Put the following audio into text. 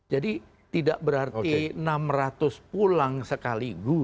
jadi tidak berarti enam ratus pulang sekaligus